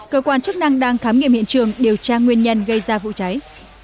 cơ quan chức năng đang khám nghiệm hiện trường điều tra nguyên nhân gây ra vụ cháy